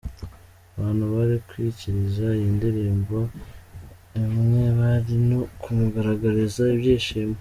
Abantu bari kwikiriza iyi ndirimbo emwe bari no kumugaragarariza ibyishimo.